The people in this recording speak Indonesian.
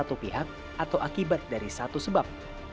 satu pihak atau akibat dari satu sebab